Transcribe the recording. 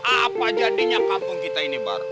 apa jadinya kampung kita ini baru